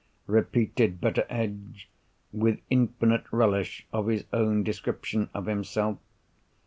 repeated Betteredge, with infinite relish of his own description of himself.